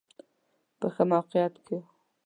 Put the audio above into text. په ښه موقعیت کې و.